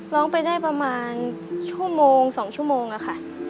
ร้องไปได้ประมาณชั่วโมง๒ชั่วโมงอะค่ะ